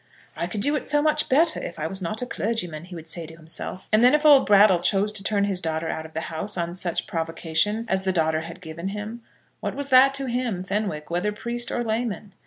"I could do it so much better if I was not a clergyman," he would say to himself. And then, if old Brattle chose to turn his daughter out of the house, on such provocation as the daughter had given him, what was that to him, Fenwick, whether priest or layman?